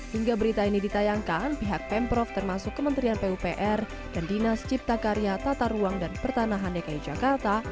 hingga berita ini ditayangkan pihak pemprov termasuk kementerian pupr dan dinas cipta karya tata ruang dan pertanahan dki jakarta